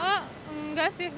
oh enggak sih enggak